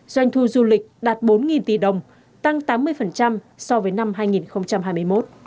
doanh thu du lịch đạt bốn tỷ đồng tăng tám mươi so với năm hai nghìn hai mươi một